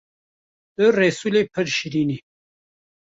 Tu Resûlê pir şîrîn î